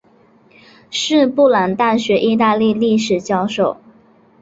是布朗大学意大利历史教授。